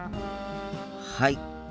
はい。